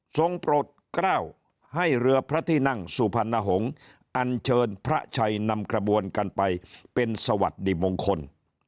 ปลดกล้าวให้เรือพระที่นั่งสุพรรณหงษ์อันเชิญพระชัยนำกระบวนกันไปเป็นสวัสดีมงคล